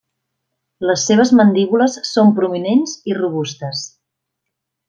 Les seves mandíbules són prominents i robustes.